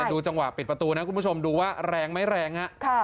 ลงจากปิดประตูนะคุณผู้ชมดูว่าแรงไหมแรง